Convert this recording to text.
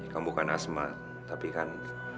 kamu bukan asmat tapi kan